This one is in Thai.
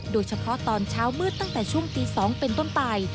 โดยเฉพาะตอนเช้ามืดตั้งแต่ช่วงตี๒เป็นต้นไป